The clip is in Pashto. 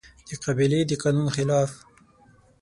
د قبيلې د قانون خلاف